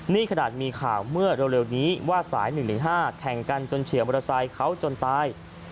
นี่ขนาดมีข่าวเมื่อเร็วนี้ว่าสาย๑๑๕แข่งกันจนเฉียวมอเตอร์ไซค์เขาจนตาย